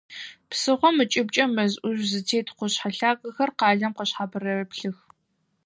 Псыхъом ыкӏыбкӏэ мэз ӏужъу зытет къушъхьэ лъагэхэр къалэм къышъхьарэплъых.